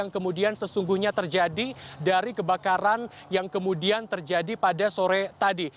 yang kemudian sesungguhnya terjadi dari kebakaran yang kemudian terjadi pada sore tadi